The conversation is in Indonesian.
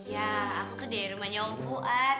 ya aku tuh dari rumahnya om fuad